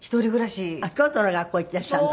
あっ京都の学校行っていらっしゃるの？